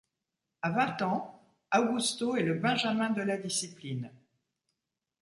À vingt ans, Augusto est le benjamin de la discipline.